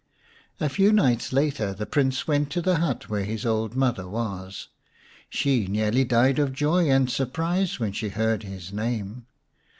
A few nights later the Prince went to the hut where his old mother was. She nearly died of joy and surprise when she heard his name.